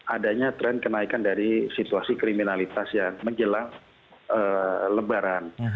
adanya tren kenaikan dari situasi kriminalitas ya menjelang lebaran